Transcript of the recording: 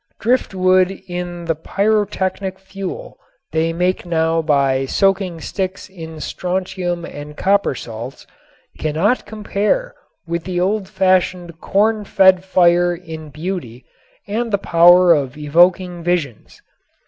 Driftwood and the pyrotechnic fuel they make now by soaking sticks in strontium and copper salts cannot compare with the old fashioned corn fed fire in beauty and the power of evoking visions.